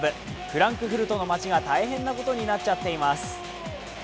フランクフルトの町が大変なことになっちゃってます。